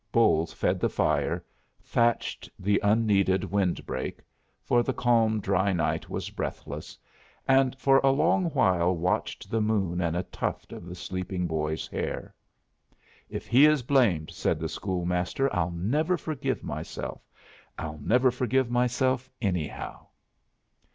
Bolles fed the fire, thatched the unneeded wind break (for the calm, dry night was breathless), and for a long while watched the moon and a tuft of the sleeping boy's hair. "If he is blamed," said the school master, "I'll never forgive myself. I'll never forgive myself anyhow."